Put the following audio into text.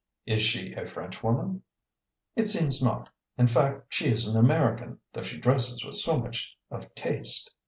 "Is she a Frenchwoman?" "It seems not. In fact, she is an American, though she dresses with so much of taste.